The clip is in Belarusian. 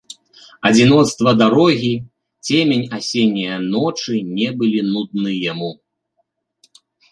Адзіноцтва дарогі, цемень асенняе ночы не былі нудны яму.